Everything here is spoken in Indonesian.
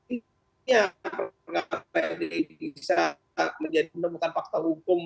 ini bisa menemukan faktor hukum